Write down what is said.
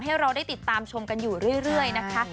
ให้เราได้ติดตามชมกันอยู่เรื่อยนะคะ